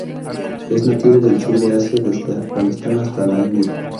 Es nativo del sur de Asia desde Afganistán hasta la India.